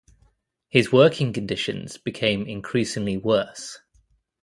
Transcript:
His working conditions became increasingly worse.